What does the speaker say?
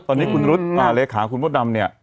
ตอนนี้คุณรุ๊ดเลขาคุณมดดำเนี่ย